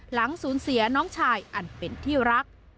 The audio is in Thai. หลังสูญเสียน้องชายอันเป็นที่รัก